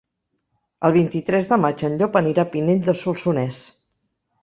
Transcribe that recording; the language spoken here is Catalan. El vint-i-tres de maig en Llop anirà a Pinell de Solsonès.